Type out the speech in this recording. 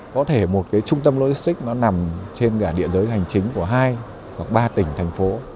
có thể một cái trung tâm logistics nó nằm trên cả địa giới hành chính của hai hoặc ba tỉnh thành phố